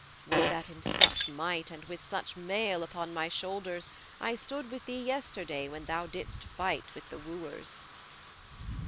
Would that in such might, and with such mail upon my shoulders, I stood with thee yesterday when thou didst fight with the wooers.'